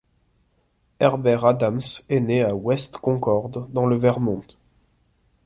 Herbert Adams est né à West Concord dans le Vermont.